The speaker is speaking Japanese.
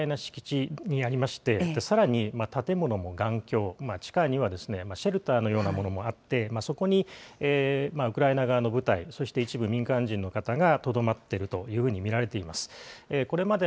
この製鉄所はかなり広大な敷地にありまして、さらに建物も頑強、地下にはシェルターのようなものもあって、そこにウクライナ側の部隊、そして一部民間人の方がとどまっているというふうに見られています。